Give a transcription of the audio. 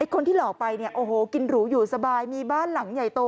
คนที่หลอกไปเนี่ยโอ้โหกินหรูอยู่สบายมีบ้านหลังใหญ่โต